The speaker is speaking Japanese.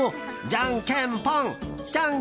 じゃんけんぽん。